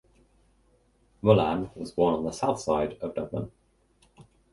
Mullan was born on the Southside of Dublin.